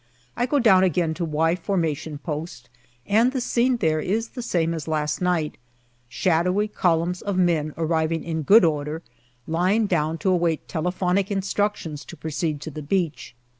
I go down again to " Y " formation post, and the scene there is the same as last night, shadowy columns of men arriving in good order, lying down to await telephonic instructions to proceed to the beach.